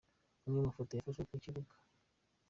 Amwe mu mafoto yafashwe ku kibuga.